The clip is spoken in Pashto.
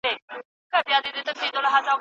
هر څوک باید خپل حق ترلاسه کړي.